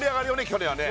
去年はね